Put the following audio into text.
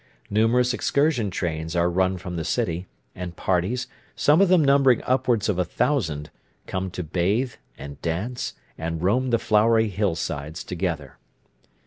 Numerous excursion trains are run from the city, and parties, some of them numbering upwards of a thousand, come to bathe, and dance, and roam the flowery hillsides together.